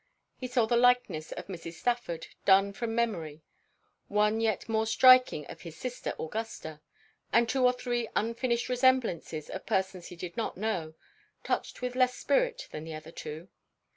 He saw the likeness of Mrs. Stafford, done from memory; one yet more striking of his sister Augusta; and two or three unfinished resemblances of persons he did not know, touched with less spirit than the other two.